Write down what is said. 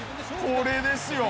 これですよ。